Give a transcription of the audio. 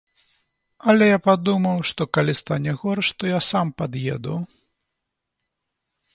Але я падумаў, што калі стане горш, то я сам пад'еду.